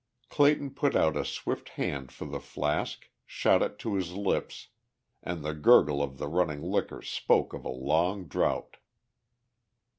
Clayton put out a swift hand for the flask, shot it to his lips, and the gurgle of the running liquor spoke of a long draught.